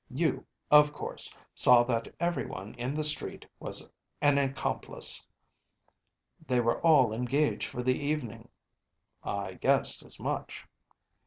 You, of course, saw that everyone in the street was an accomplice. They were all engaged for the evening.‚ÄĚ “I guessed as much.